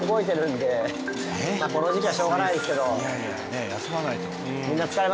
いやいやねえ休まないと。